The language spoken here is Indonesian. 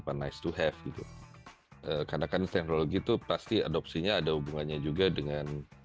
karena kan teknologi itu pasti ada adopsi dan hubungannya juga dengan